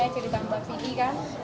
jadi mbak vicky kan